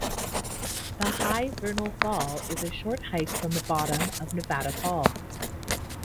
The high Vernal Fall is a short hike from the bottom of Nevada Fall.